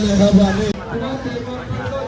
ออกไปออกไปออกไป